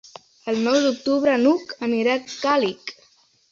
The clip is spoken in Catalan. El nou d'octubre n'Hug anirà a Càlig.